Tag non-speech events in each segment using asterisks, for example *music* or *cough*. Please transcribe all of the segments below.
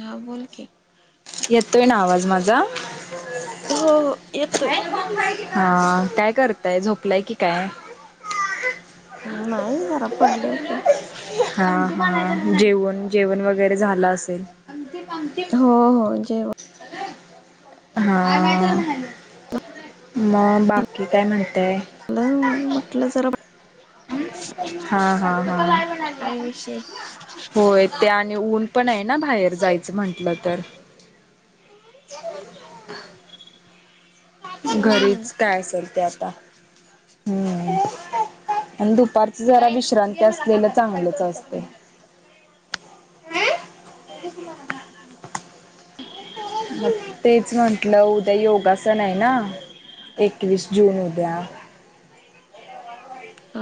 हा बोल की. येतोय ना आवाज माझा? हो हो येत हा काय करताय? झोपलाय की काय? नाही जरा पडले होठे हा हा जेवण जेवण वगैरे झालं असेल. अ ते मगती. हो हो जेव. हा मग बाकी काय म्हणतय. म म्हटलं जरा. हा हा हा काय विषय हो. ते आणि ऊन पण आहे ना बाहेर जायचं म्हटलं तर. *inaudible* हा. घरीच काय असेल ते आता हम्म आणि दुपारच जरा विश्रांती असलेलं चांगलंच असते ह *inaudible* मग तेच म्हटलं उद्या योगासन आहे ना एकवीस जून उद्या ह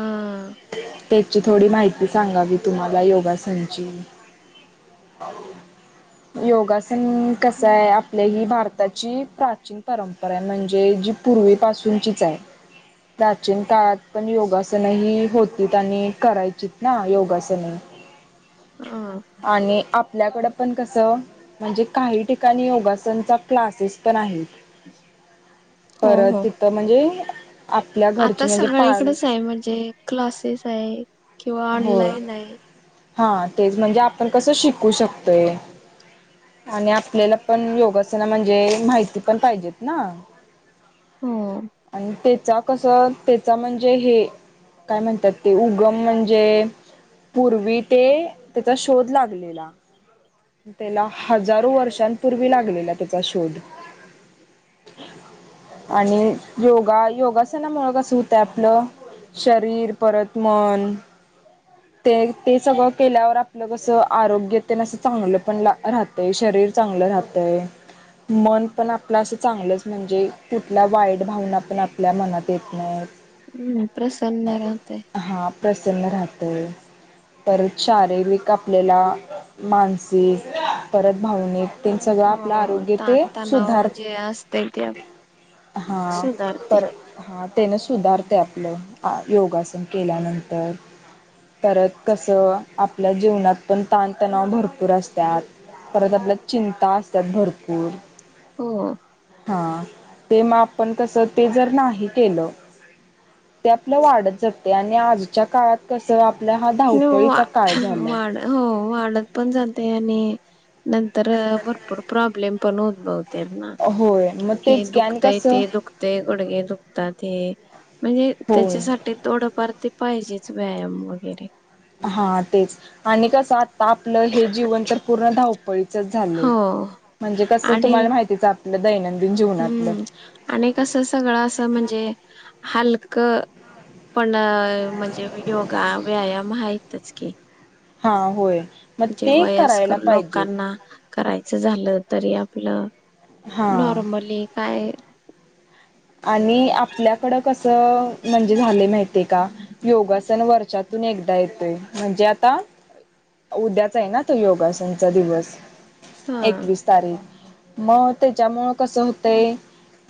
त्याची थोडी माहिती सांगावी तुम्हाला योगासनची योगासन कस आहे आप ही भारताची प्राचीन परंपरा आहे म्हणजे जी पूर्वीपासूनचीच आहे प्राचीन काळात पण योगासन ह होती आणि करायचीत ना योगासनही ह ह आणि *inaudible* आपल्याकडं पण कसं म्हणजे काही ठिकाणी योगासनचा क्लासेस पण आहेत हो परत हो. तिथं म्हणजे आपल्या आता घरची म्हणजे पाल सगळीकडेच आहे म्हणजे क्लासेस आहे किंवा होय. ऑनलाइन आहे हा तेच म्हणजे आपण कसं शिकू शकतोय आणि आपल्याला पण योगासना म्हणजे माहिती पण पाहिजेत ना हो आणि ते प स त्या म्हणजे काय म्हणतात ते उम म्हणे म्हणजे पूर्वी ते त्याचा शोध लागलेला त्याला हजारो वर्षांपूर्वी लागलेला त्याचा शोध आणि योगा योगासना मुळ कस होतं आपलं शरीर परत मन ते ते सगळं केल्यावर आपलं कसं आरोग्य ते नस चांगलं पण राह ते शरीर चांगलं राहतंय मन पण आपलं असं चांगलंच म्हणजे कुठला वाईट भावना पण आप आपल्या मनात येत नाही हम्म प्रसन्न राहतय. हा प्रसन्न राहतय परत शारीरिक आपल्याला मानसिक परत भावनिक ते सगळं आपलं हो आरोग्य ताण ते तणाव सुधार जे असते ते हां सुधारते पर हा तेनं सुधारते आपलं योगासन केल्यानंतर परत कसं आपल्या जीवनात पण ताणतणाव भरपूर असत परत आपल्या चिंता असतात भरपूर हो हा ते मग आपण कस ते जर नाही केलं ते आपलं वाढत जाते आणि आजच्या काळात कसं आपला हा वा धावपळीचा काळ झालाय वाढ हो वाढत पण जात आणि नंतर भरपूर प्रॉब्लेम पण उद् बवत त्यांना होय मग हे तेच की आणि दुखतय कसं ते दुख ते गुडगे दुखतात हे म्हणजे होय त्याच्यासाठी थोडंफार ते पाहिजेच व्यायाम वगैरे हा तेच आणि कसं आता आपलं हे जीवन तर पूर्ण धावपळीच झा हो म्हणजे कस आणि तुम्हाला माहितीच आपलं दैनंदिन जीवनातलं. हम्म आणि कस असं सगळं असं म्हणजे हलकं पण म्हणजे योगा व्यायाम आहेतच की. हा होय. मग म्हणजे ते करायला वयस्कर पाहिजेत लोकांना करायचं झालं तरी आपलं हा नॉर्मली काय आणि आपल्याकडं कसं म्हणजे झाले माहिते का? योगासन वर्षातून एकदा येतोय म्हणजे आता उद्याच आहे ना तो योगासनचा दिवस. हा एकवीस तारीख मग त्यांच्यामुळ कसं होतंय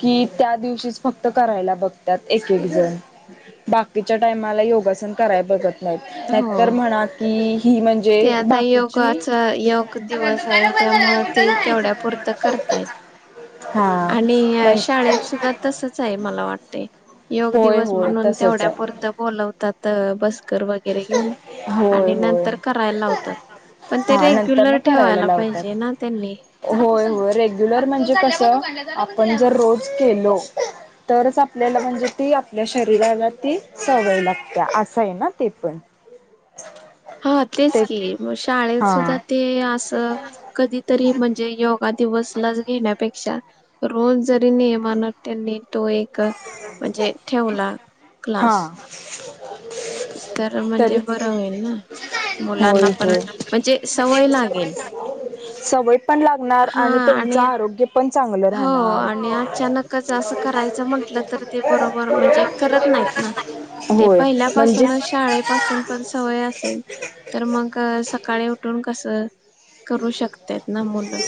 की त्या दिव करायला बगतात एकके जण बाकी टायमाला योगासन कराय बगत नाहीत नाही हो. तर म्हणा की हि म्हणजे ते आता बाकीची योगाच योग दिवस आहे त्यामुळं ते तेवढ्यापुरतं करतायत. हा आणि नाही शाळेत सुद्धा तसच आहे मला वाटते. योग होय दिवस होय म्हणून तसच तेवढ्या प आहे बोलवतात बस्कर वगैरे घेऊन होय आणि होय नंतर करायला लावतात पण ते हा नंतर रेग्युलर ना करायला ठेवायला पाहिजे लावतात ना त्यांनी. होय होय रेग्युलर म्हणजे कस आपण जर रोज केलो तरच आपल्याला म्हणजे ती आपल्या शरीराला ती सवय लागते असं आहे ना. टिपण. हा तेच की शाळेत सुद्धा ते असं कधीतरी म्हणजे योग दिवसलाच घेण्यापेक्षा रोज जरी नियमानात त्यांनी तो एक म्हणजे ठेवला क्लास *unintelligible* तर म्हणजे तरीच बरं होईल ना होय मुलांना पण होय म्हणजे सवय लागेल. सवय पण लागणार आणि त्यांच आरोग्य पण चांगलं हो राहणार आणि अचानकच असं करायचं म्हटल तर ते बरोबर म्हणजे करत नाही ना ते होय म्हणजे पहिल्यापासूनच शाळे पासून पण सवय असेल तर मग सकाळी उठून कस करू शकत त्यात ना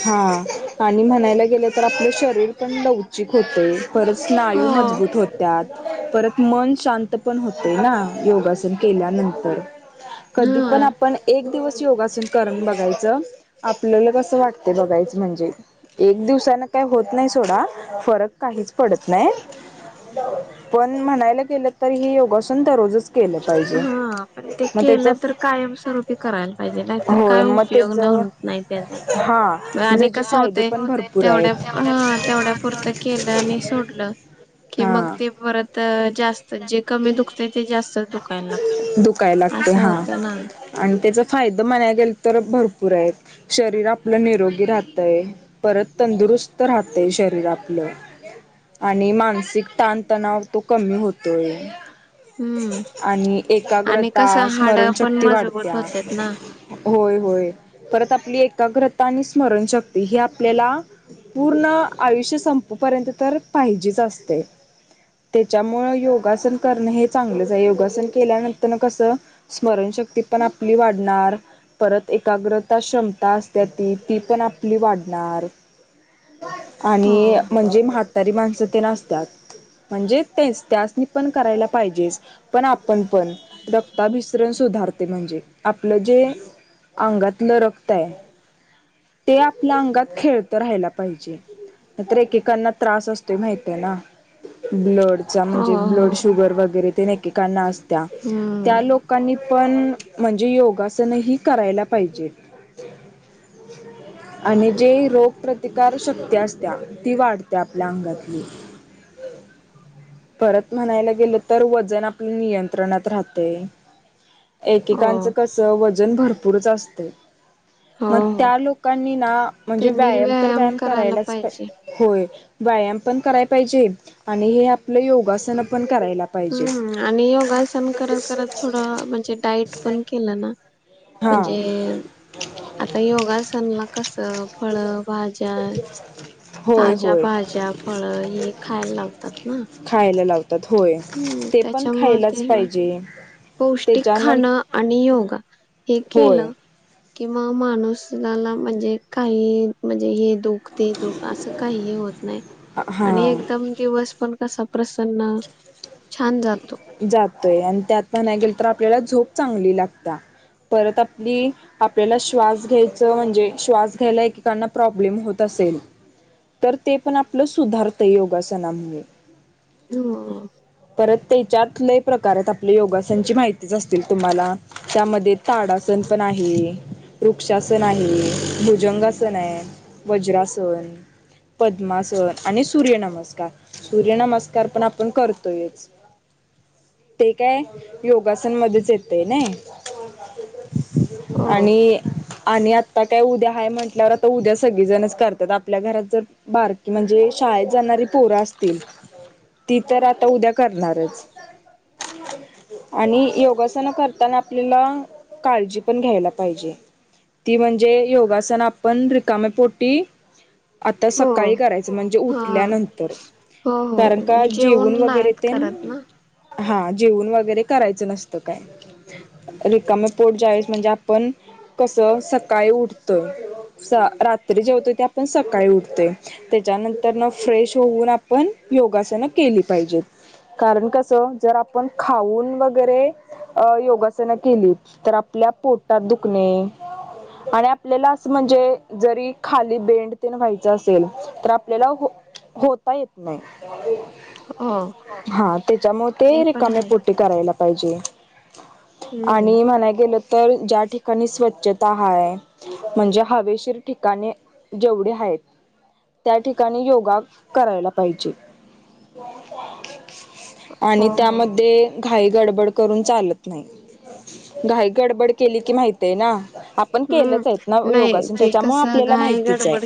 हा आणि म्हणायला गेलं तर आपलं शरीर पण स्नायू हो मजबूत होत परत मन शांत पण होते ना योगासन केल्यानंतर कधी पण हा आपण एक दिवस योगासन करण बघायचं आपल्याला कसं वाटते बघायचं म्हणजे एक दिवसान काही होत नाही सोडा फरक काहीच पडत नाही. पण म्हणायला गेलं तर ह योगासन दररोजच केलं पाहिजे हा पण ते मग त्याच केलं तर कायमस्वरूपी करायला पाहिजे नाहीतर होय काय मग उपयोग त्याच न. नाहीत आहे का? हा. मग आणि त्याचे कसं फायदे होते पण भरपूर आहेत तेवढ्या ह तेवढ्या पुुरतं केलं आणि सोडलं. कि मग हा ते परत जास्त जे कमी दुखते ते जास्त दुखत दुखाय लागते हा. ना आणि त्याचा फायदा म्हणाला गेला तर भरपूर आहे शरीर आपलं निरोगी राहतय परत तंदुरुस्त राहतय शरीर आपलं. आणि मानसिक ताणतणाव तो कमी होतोय. हम्म आणि आणि एकाग्रता कसं हाड पण स्मरणशक्ती मजबूत वाढत्या. होतात ना. होय होय परत आपली एकाग्रता आणि स्मरणशक्ती ही आपल्याला पूर्ण आयुष्य संपपर्यंत तर पाहिजेच असते. त्याच्यामु योगासन करणं हे चांगलंच आहे योगासन केल्यानंतर कसं स्मरणशक्ती पण आपली वाढणार परत एकाग्रता क्षमता असते ती ती पण आपली वाढणार हो आणि म्हणजे म्ह तरी माणसं ते नसतात म्हणजे तेच त्यासनी पण करायला पाहिजेच पण आपण पण रक्ताभिसरण सुधारते म्हणजे आपलं जे अंगातलं रक्त आहे ते आपल्या अंगात खेळत राहायला पाहिजे तर एकेकांना त्रास असतो माहितीय ना ब्लड हो म्हणजे हो ब्लड शुगर वगैरे ते एकेकांना अस त्या हम्म त्या लोकांनी पण म्हणजे योगासनही करायला पाहिजे अ्ा आणि जी रोग प्र्रतिकार शक्ती असत्या ती वाढते आपल्या अंगातली हो परत म्हणायला गेलं तर वजन आपलं नियंत्रणात राहते हो एकेकांचं हो कसं वजन भरपूरच असते मग हो त्या लोकांनी ना म्हणजे त्यांनी व्यायाम तर व्यायाम करायला करायलाच पाहिजे. पाहि होय व्यायाम पण करायला पाहिजे आणि हे आपलं योगासन पण करायला पाहिजे हम्म आणि योगासन करत करत थोडं म्हणजे डाईट पण केलं ना हा म्हणजे आता योगासनला कसं फळ भाज्या होय ताज्या होय भाज्या फळं हे खायला लावतात ना खायला लावतात होय हम्म ते पण त्याच्यामुळे खायलाच ते पाहिजे पौष्टिक त्याच्यानं खाणं आणि योगा हे होय केलं कि म माणूसला म्हणजे काही म्हणजे हे दो द ते दुख असं काहीही होत नाही हा आणि एकदम दिवस पण कसा प्रसन्न छान जातो जातय आणि त्यात नाही गेल तर आपल्याला झोप चांगली लागता परत आपली आपल्याला श्वास घ्यायचं म्हणजे श्वास घ्यायला एकेकांना प्रॉब्लेम होत असेल तर ते पण आपलं सुधारतं योगासनामुळे हो परत त्याच्यात ल प्रकारात आपल्या योगासनची माहितीच असतील तुम्हाला त्यामध्ये ताडासण पण आहे वृक्षासन आहे भुजंगासन आहे वज्रासन पद्माासन आणि सूर्यनमस्कार सूर्यनमस्कार कार पण आपण करतोयच ते काय योगासनमध्येध्येच येते ना हो आणि आणि आता काय उद्या ह म्हटल्यावर आता उद्या सगळीजणच करतात आपल्या घरात जर बारकी म्हणजे शाळेत जाणारी पोरा असतील हो ती तर आता उद्या करणारच आणि योगासन करताना आपल्याला काळजी पण घ्यायला पाहिजे ती म्हणजे योगासन आपण रिकामे पोटी आता हो सकाळी करायचं म्हणजे हा उठल्यानंतर हो कारण का हो जेवण जेवून वगैरे नाहीत ते करत ना हा जेवून वगैरे करायचं नसतं काय रिकाम पोट जावेस म्हणजे आपण कसं सकाळी उठत रात्री जेवतो ते आपण सकाळी उठतोय त्याच्यानंतर न फ्रेश होऊन आपण योगासनं केली पाहिजेत कारण कसं जर आपण खाऊन वगैरे अ योगासना केली तर आपल्या पोटात दुखणे आणि आपल्याला असं म्हणजे जरी खाली बेंडतेन व्हायचं असेल तर आपल्याला हो होता येत नाही हो हा त्याच्यामुळे ते पण रिकामे आहे पोट करायला पाहिजे हम्म आणि म्हणाय गेलं तर ज्या ठिकाणी स्वच्छता हाय म्हणजे हवेशीर ठिकाणे जेवढे आहेत त्या ठिकाणी योगा करायला पाहिजे आणि हो हो त्यामध्ये घाई गडबड करून चालत नाही घाई गडबड केली की माहितीय ना पण हम्म केलंच आहेत ना नाही योगासून ते त्याच्यामुळे आपल्याला माहितीच आहे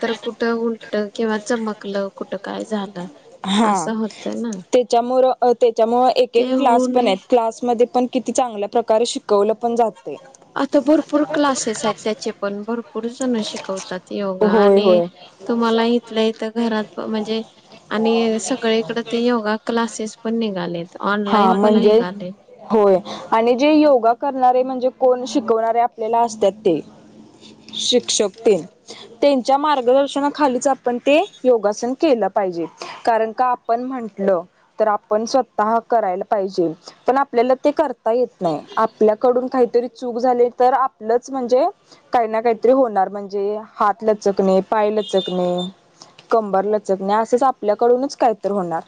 तर कुठं उलट किंवा चमकलं कुठं काय झालं हा असं होतं ना त्याच्यामुर त्याच्यामुळ एक एक ते होऊ क्लास पण नये आहेत क्लासमध्ये पण किती चांगल्या प्रकारे शिकवलं पण जाते आता भरपूर क्लासेस आहेत त्याचे पण भरपूर जण शिकवतात योगा होय आणि होय तुम्हाला इथल्या इथंघरात म्हणजे आणि सगळीकडे ते योगा क्लासेस पण निघालेत हा ऑनलाईन पण म्हणजे निघालेत. होय आणि जे योगा करणारे म्हणजे कोण शिकवणारे आपल्याला असतात ते शिक्षक तेंन त्यांच्या मार्गदर्शनाखालीच आपण ते योगासन केलं पाहिजे कारण का आपण म्हटलं तर आपण स्वः करायला पाहिजे पण आपल्याला ते करता येत नाही आपल्याकडून काहीतरी चूक झाली तर आपलंच म्हणजे काही ना काहीतरी होणार म्हणजे हात लचकणे पाय लचकणे कंबर लचकण्या असेच आपल्याकडूनच काहीत होणार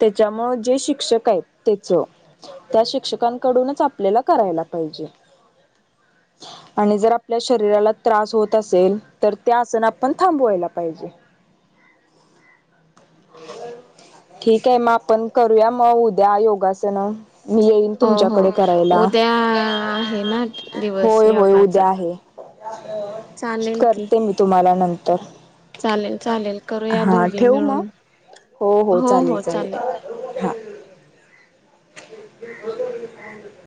त्याच्यामुळे जे शिक्षक त्याच त्या शिक्षकांकडूनच आपल्याला करायला पाहिजे ह आणि जर आपल्या शरीराला त्रास होत असेल तर त्या आसन आपण थांबवायला पाहिजे ठीक आहे मग आपण कर येऊया मग उद्या योगासन मी येईन हो हो तुमच्याकडे करायला उद्या आहे ना दिवस होय होय योगाचा. उद्या आहे चालेल की करते मी तुम्हाला नंतर चालेल चालेल करूया हा दोघी ठेव मग मिळून हो हो चालेल चालेल हां *inaudible*